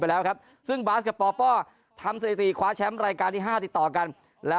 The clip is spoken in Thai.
และทำให้คนไทยมีความสุขนะ